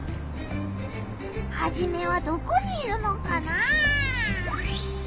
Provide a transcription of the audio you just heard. ハジメはどこにいるのかな？